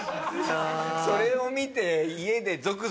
それを見て。